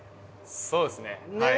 そうですねはい。